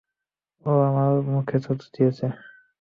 ও আমার মুখে থুথু দিয়েছে!